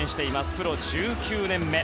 プロ１９年目。